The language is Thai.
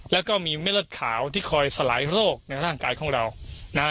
แล้วก็มีเม็ดเลือดขาวที่คอยสลายโรคในร่างกายของเรานะฮะ